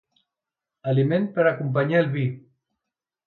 Aliment per acompanyar el vi.